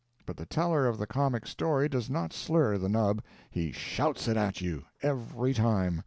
But the teller of the comic story does not slur the nub; he shouts it at you every time.